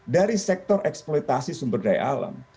dari sektor eksploitasi sumber daya alam